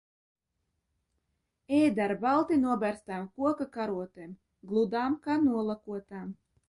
Ēda ar balti noberztām koka karotēm, gludām, kā nolakotām.